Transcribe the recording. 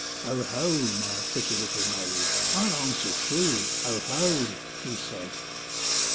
''" 0 ho ! my pretty little maid. I'll answer true, 0 ho !" he said.